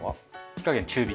火加減中火。